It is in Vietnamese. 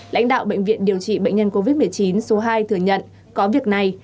lãnh đạo bệnh viện điều trị bệnh nhân covid một mươi chín số hai thừa nhận có việc này